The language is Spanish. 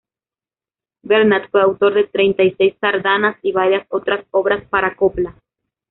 Bernat fue autor de treinta y seis sardanas y varias otras obras para copla.